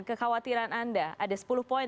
kekhawatiran anda ada sepuluh poin